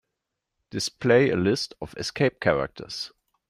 Display a list of escape characters.